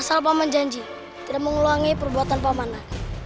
asal paman janji tidak mau mengulangi perbuatan paman lagi